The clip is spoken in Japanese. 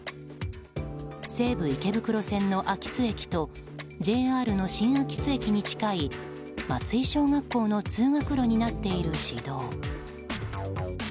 西武池袋線の秋津駅とＪＲの新秋津駅に近い松井小学校の通学路になっている市道。